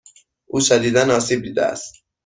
او شدیدا آسیب دیده است.